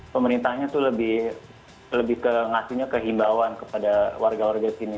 pemerintahnya tuh lebih ke ngasihnya ke himbauan kepada warga warga sini